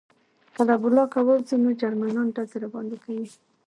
که له بلاک ووځو نو جرمنان ډزې راباندې کوي